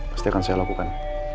pasti akan saya lakukan